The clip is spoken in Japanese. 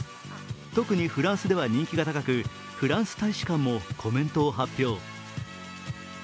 特にフランスでは人気が高く、フランス大使館もコメントを発表。